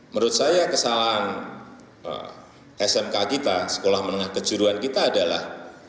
menurut saya kesalahan smk kita sekolah menengah kejuruan kita adalah